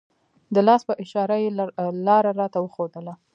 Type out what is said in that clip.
د لاس په اشاره یې لاره راته وښودله.